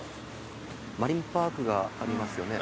マリンパークがありますよね